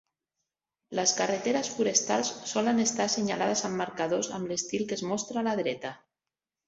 Les carreteres forestals solen estar assenyalades amb marcadors amb l'estil que es mostra a la dreta.